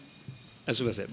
すみません。